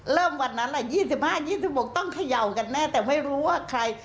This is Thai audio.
วันนั้นแหละ๒๕๒๖ต้องเขย่ากันแน่แต่ไม่รู้ว่าใคร